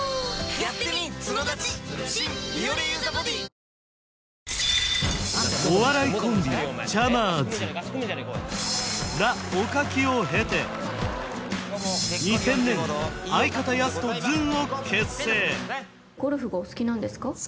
水層パックＵＶ「ビオレＵＶ」お笑いコンビチャマーずＬａ．おかきを経て２０００年相方やすとずんを結成ゴルフがお好きなんですか？